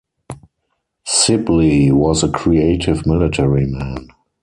Sibley was a creative military man.